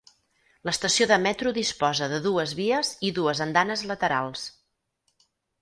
L'estació de metro disposa de dues vies i dues andanes laterals.